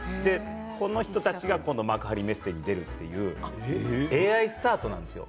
この人たちが幕張メッセに出るというＡＩスタートなんですよ。